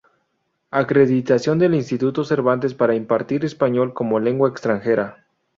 Acreditación del Instituto Cervantes para impartir español como lengua extranjera.